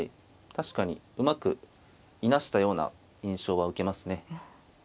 確かにうまくいなしたような印象は受けますね。